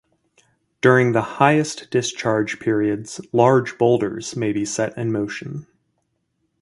During the highest discharge periods large boulders may be set in motion.